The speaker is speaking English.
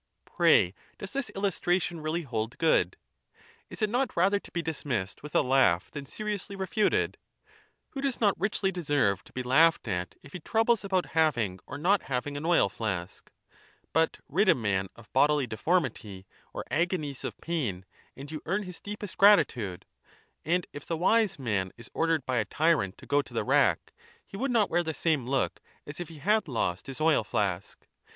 Pray d this illustration really hold good ? is it not rather to be dismissed with a laugh than seriously refuted ? Wiio does not richly deserve to be laughed at if he troubles about having or not having an oil flask ? But rid a man of bodily deformity or agonies of pain, and you earn his deepest gratitude ; and if the Wise Man is ordered bya tyrant togo to the rack, he would not wear the same look as if he had lost his oil flask.